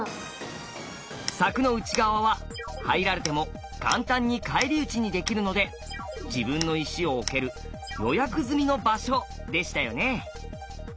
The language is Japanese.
柵の内側は入られても簡単に返り討ちにできるので自分の石を置ける「予約済みの場所」でしたよね。